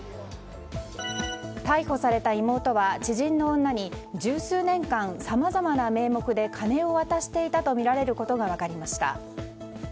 逮捕された妹は知人の女に十数年間さまざまな名目で金を渡していたとみられることが分かりました。